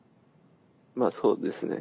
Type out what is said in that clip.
まあそうですね。